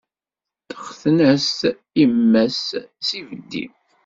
Texten-as imma-s s ibeddi.